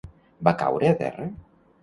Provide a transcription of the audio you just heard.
Va caure a terra?